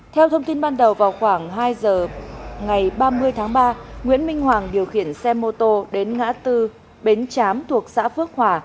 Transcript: theo thông tin ban đầu vào khoảng hai giờ ngày ba mươi tháng ba nguyễn minh hoàng điều khiển xe mô tô đến ngã tư bến chám thuộc xã phước hòa